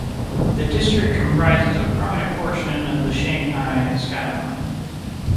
The district comprises a prominent portion of the Shanghai skyline.